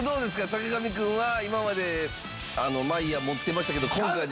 坂上くんは今までマイヤー持ってましたけど。